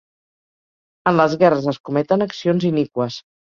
En les guerres es cometen accions iniqües.